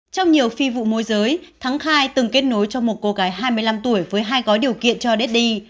trong nhiều phi vụ môi giới thắng khai từng kết nối cho một cô gái hai mươi năm tuổi với hai gói điều kiện cho biết đi